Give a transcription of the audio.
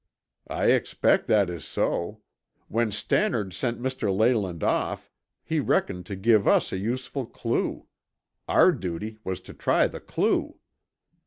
"I expect that is so. When Stannard sent Mr. Leyland off, he reckoned to give us a useful clue. Our duty was to try the clue."